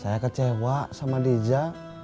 saya kecewa sama dija